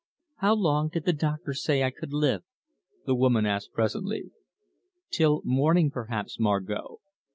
"How long did the doctor say I could live?" the woman asked presently. "Till morning, perhaps, Margot."